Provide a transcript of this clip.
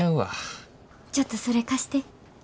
ちょっとそれ貸して。